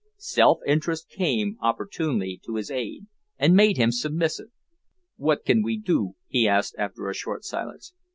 Self interest came opportunely to his aid, and made him submissive. "What can we do?" he asked after a short silence.